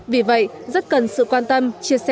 vì vậy rất cần sự quan tâm